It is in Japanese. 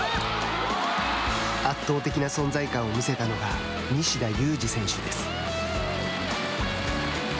圧倒的な存在感を見せたのが西田有志選手です。